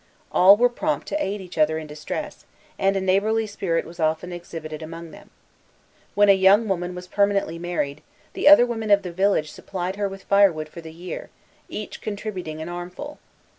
All were prompt to aid each other in distress, and a neighborly spirit was often exhibited among them. When a young woman was permanently married, the other women of the village supplied her with firewood for the year, each contributing an armful.